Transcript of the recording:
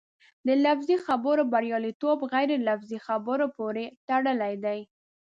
د لفظي خبرو بریالیتوب غیر لفظي خبرو پورې تړلی دی.